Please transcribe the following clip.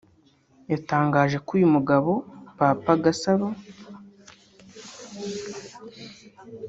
yatangaje ko uyu mugabo Papa Gasaro